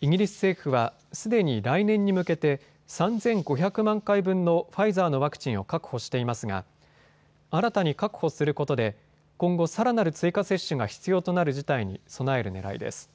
イギリス政府はすでに来年に向けて３５００万回分のファイザーのワクチンを確保していますが新たに確保することで今後、さらなる追加接種が必要となる事態に備えるねらいです。